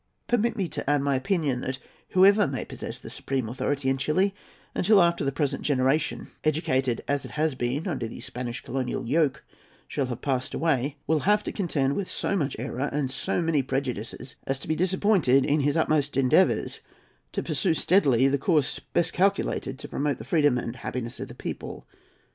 Permit me to add my opinion that, whoever may possess the supreme authority in Chili, until after the present generation, educated as it has been under the Spanish colonial yoke, shall have passed away, will have to contend with so much error and so many prejudices as to be disappointed in his utmost endeavours to pursue steadily the course best calculated to promote the freedom and happiness of the people.